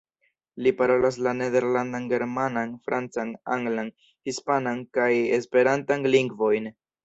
Li parolas la Nederlandan, Germanan, Francan, Anglan, Hispanan, kaj Esperantan lingvojn.